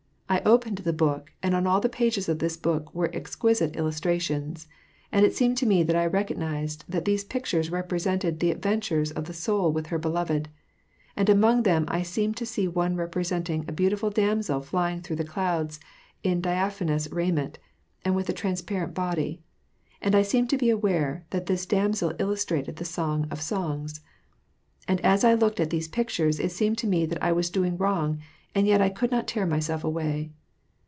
I opened the book, and on all the pages of this book were exquisite illustrations. And it seemed to me that I recognized that these pictures represented the adventures of the soul with her beloved. And among them 1 seemed to see one represent ing a beautiful damsel flying through the clouds in diaphanous raiment, and with a transparent body. And I seemed to be aware that this dam sel illustrated the Song of Songs. And as I looked at these pictures, it seemed to me that I was doing wrong, and yet I could not tear myself away.